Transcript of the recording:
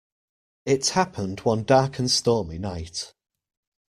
It happened one dark and stormy night.